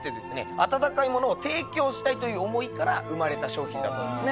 温かいものを提供したいという思いから生まれた商品だそうですね。